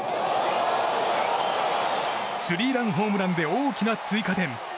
スリーランホームランで大きな追加点。